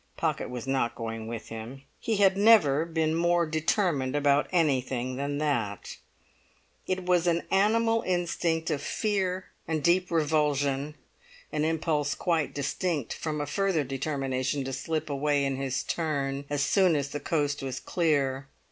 Pocket was not going with him. He had never been more determined about anything than that. It was an animal instinct of fear and deep revulsion, an impulse quite distinct from a further determination to slip away in his turn as soon as the coast was clear.